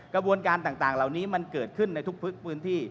กระบวนการต่างเหล่านี้มันเกิดขึ้นในทุกพื้นที่